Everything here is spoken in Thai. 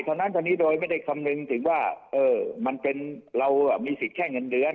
เท่านั้นเท่านี้โดยไม่ได้คำนึงถึงว่ามันเป็นเรามีสิทธิ์แค่เงินเดือน